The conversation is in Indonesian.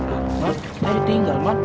kita ditinggal man